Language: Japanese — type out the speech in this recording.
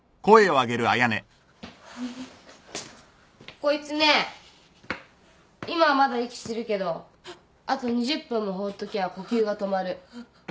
・こいつね今はまだ息してるけどあと２０分も放っときゃ呼吸が止まる。